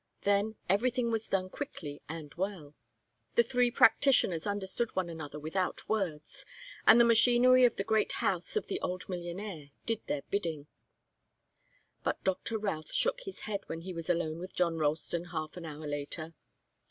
Then everything was done quickly and well. The three practitioners understood one another without words, and the machinery of the great house of the old millionaire did their bidding. But Doctor Routh shook his head when he was alone with John Ralston half an hour later.